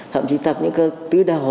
thậm chí tập những cái tứ đầu